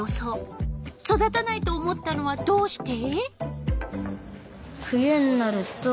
育たないと思ったのはどうして？